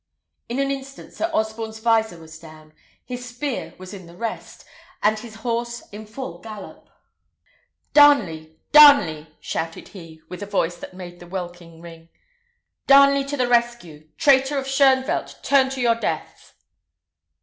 In an instant Sir Osborne's vizor was down, his spear was in the rest, and his horse in full gallop. "Darnley! Darnley!" shouted he, with a voice that made the welkin ring. "Darnley to the rescue! Traitor of Shoenvelt, turn to your death!"